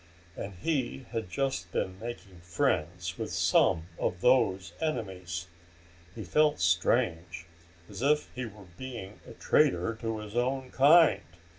And he had just been making friends with some of those enemies. He felt strange, as if he were being a traitor to his own kind.